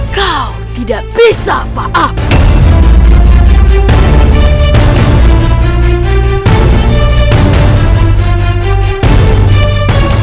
kau tidak bisa paham